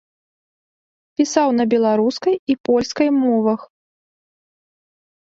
Пісаў на беларускай і польскай мовах.